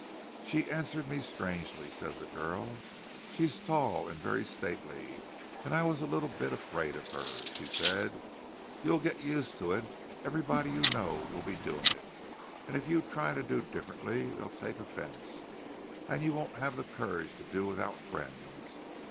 "She answered me strangely," said the girl. "She's tall, and very stately, and I was a little bit afraid of her. She said, 'You'll get used to it. Everybody you know will be doing it, and if you try to do differently they'll take offence; and you won't have the courage to do without friends.